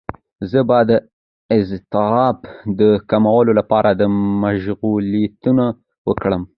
زه به د اضطراب د کمولو لپاره مشغولیتونه وکړم.